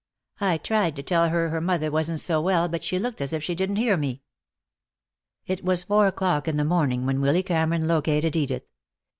I tried to tell her her mother wasn't so well, but she looked as if she didn't hear me." It was four o'clock in the morning when Willy Cameron located Edith.